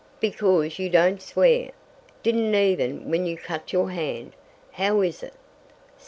"Because you don't swear. Didn't even when you cut your hand. How is it?"